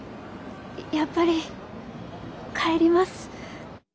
やっぱり帰ります。